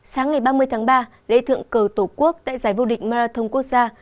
sáng ngày ba mươi tháng ba lễ thượng cờ tổ quốc tại giải vô địch marathon quốc gia